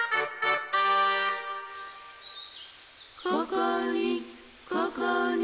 「ここにここに」